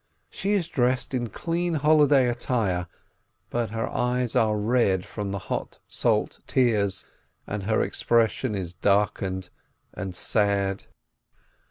She is dressed in clean holiday attire, but her eyes are red from the hot, salt tears, and her ex pression is darkened and sad.